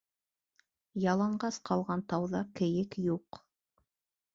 Яланғас ҡалған тауҙа кейек юҡ.